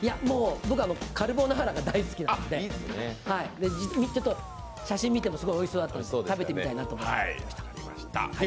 僕、カルボナーラが大好きなんで写真を見てもおいしそうだったんで食べてみたいなと思いました。